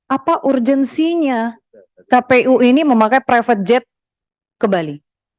apa urgensinya kpu ini memakai private jet kembali